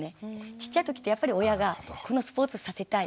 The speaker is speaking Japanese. ちっちゃい時ってやっぱり親がこのスポーツさせたい。